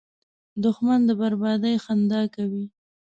دښمن د بربادۍ خندا کوي